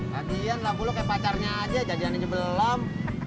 lagian lagu lo kayak pacarnya aja jadiannya jebelam